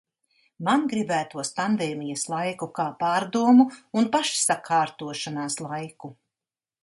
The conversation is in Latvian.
Man gribētos pandēmijas laiku kā pārdomu un pašsakārtošanās laiku.